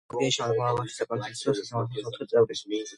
კოლეგიის შემადგენლობაშია საკონსტიტუციო სასამართლოს ოთხი წევრი.